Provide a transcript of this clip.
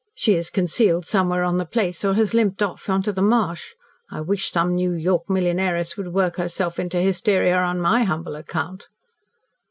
She is concealed somewhere on the place or has limped off on to the marsh. I wish some New York millionairess would work herself into hysteria on my humble account."